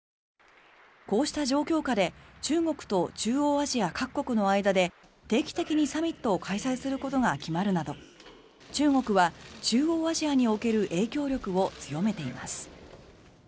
こうした状況下で中国と中央アジア各国の間で定期的にサミットを開催することが決まるなど中国は中央アジアにおける影響力を強めています。